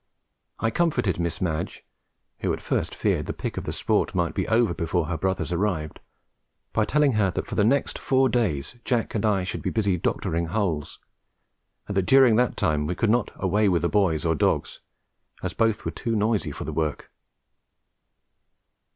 I comforted Miss Madge, who at first feared the pick of the sport might be over before her brothers arrived, by telling her that for the next four days Jack and I should be busy "doctoring" holes, and that during that time we could not "away with" boys or dogs, as both were too noisy for the work.